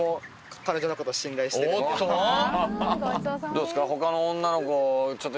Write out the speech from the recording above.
どうですか？